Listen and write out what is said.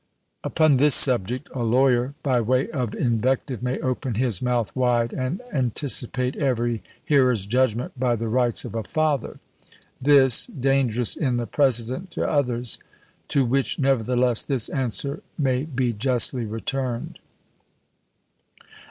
"Upon this subject a lawyer, by way of invective, may open his mouth wide, and anticipate every hearer's judgment by the rights of a father; this, dangerous in the precedent to others; to which, nevertheless, this answer may be justly returned.